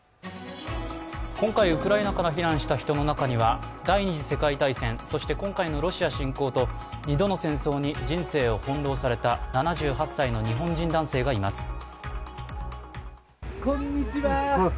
今回、ウクライナから避難した人の中には第二次世界大戦、そして今回のロシア侵攻と２度の戦争に人生を翻弄された７８歳の日本人男性がいます。